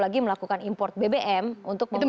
kita bisa lagi melakukan import bbm untuk memimpin